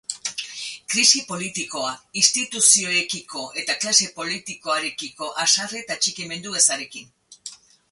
Krisi politikoa, instituzioekiko eta klase politikoarekiko haserre eta atxikimendu ezarekin.